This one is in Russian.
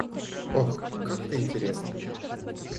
Ох, как это интересно!